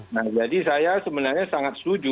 nah jadi saya sebenarnya sangat setuju